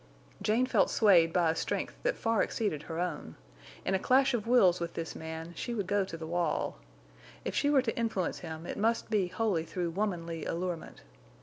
Jane felt swayed by a strength that far exceeded her own. In a clash of wills with this man she would go to the wall. If she were to influence him it must be wholly through womanly allurement.